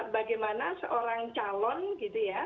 bagaimana seorang calon gitu ya